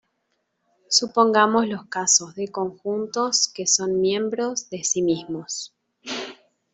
Supongamos los casos de conjuntos que son miembros de sí mismos.